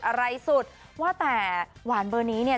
อะไรสุดว่าแต่หวานเบอร์นี้เนี่ย